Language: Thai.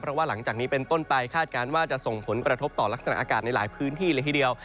เพราะว่าหลังจากนี้เป็นต้นไปคาดการณ์ว่าจะส่งผลกระทบต่อลักษณะอากาศในหลายพื้นที่เลยทีเดียว